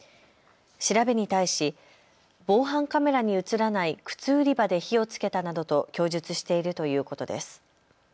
調べに対し防犯カメラに写らない靴売り場で火をつけたなどと供述しているということです。